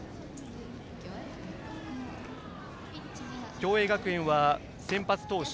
共栄学園は先発投手